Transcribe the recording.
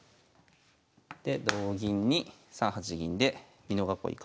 で同銀に３八銀で美濃囲い